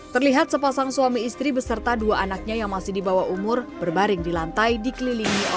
terlihat sepasang suami istri beserta dua anaknya yang masih di bawah umur berbaring di lantai dikelilingi